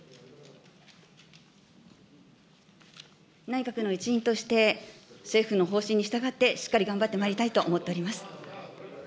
内閣の一員として、政府の方針に従ってしっかり頑張ってまいりたいと思っております。